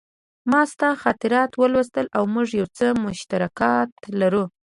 ما ستا خاطرات ولوستل او موږ یو څه مشترکات لرو